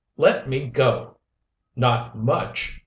"Let me go!" "Not much!"